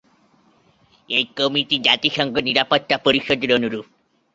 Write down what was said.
এই কমিটি জাতিসংঘ নিরাপত্তা পরিষদের অনুরূপ।